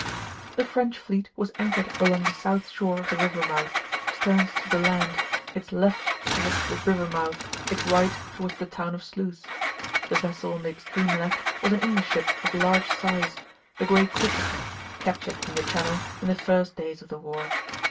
The French fleet was anchored along the south shore of the river mouth, sterns to the land, its left towards the river mouth, its right towards the town of Sluys. The vessel on the extreme left was an English ship of large size, the "Great Cristopher," captured in the Channel in the first days of the war.